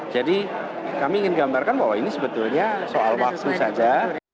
jadi kami ingin menggambarkan bahwa ini sebetulnya soal waktu saja